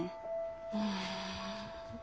うん。